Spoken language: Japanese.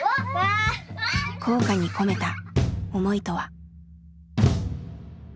校歌に込めた思いとは。